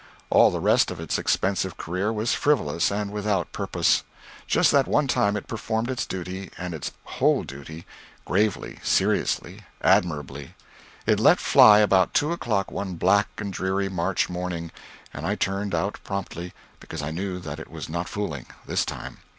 All the rest of its expensive career was frivolous and without purpose. Just that one time it performed its duty, and its whole duty gravely, seriously, admirably. It let fly about two o'clock one black and dreary March morning, and I turned out promptly, because I knew that it was not fooling, this time.